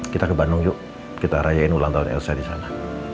kita ke bandung yuk kita rayain ulang tahun elsa di sana